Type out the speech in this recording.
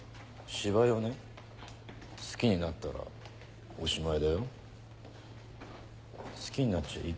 芝居が好きになったらおしまい。